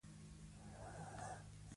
دوی به تر هغه وخته غرونه ټول پلورلي وي.